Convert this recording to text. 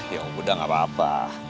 ya udah gak apa apa